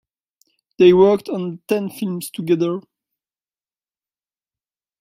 They worked on ten films together.